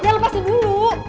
ya lepasin dulu